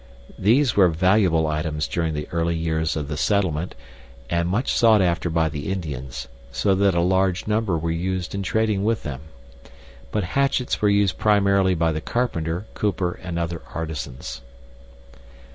These were valuable items during the early years of the settlement, and much sought after by the Indians, so that a large number were used in trading with them. But hatchets were used primarily by the carpenter, cooper, and other artisans.